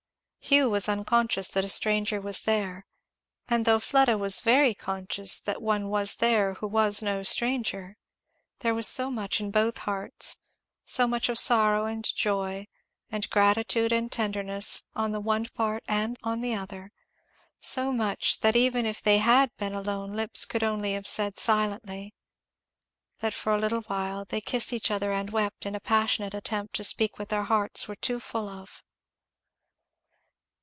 Hugh was unconscious that a stranger was there, and though Fleda was very conscious that one was there who was no stranger, there was so much in both hearts, so much of sorrow and joy, and gratitude and tenderness, on the one part and on the other, so much that even if they had been alone lips could only have said silently, that for a little while they kissed each other and wept in a passionate attempt to speak what their hearts were too full of.